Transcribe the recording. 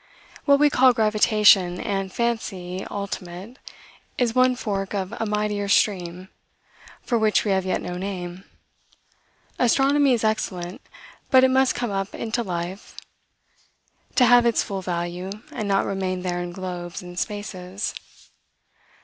What we call gravitation, and fancy ultimate, is one fork of a mightier stream, for which we have yet no name. Astronomy is excellent; but it must come up into life to have its full value, and not remain there in globes and spaces.